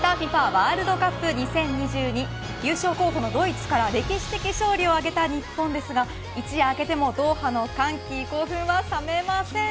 ワールドカップ２０２２優勝候補のドイツから歴史的勝利を挙げた日本ですが一夜明けてもドーハの歓喜興奮は冷めません。